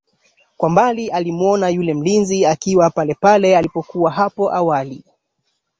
Kwa mbali alimuona yule mlinzi akiwa palepale alipokuwa hapo awali